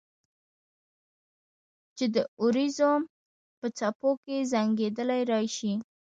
چې د اوریځو په څپو کې زنګیدلې راشي